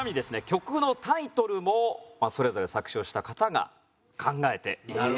曲のタイトルもそれぞれ作詞をした方が考えています。